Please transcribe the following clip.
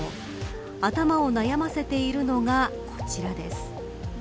頭を悩ませているのがこちらです。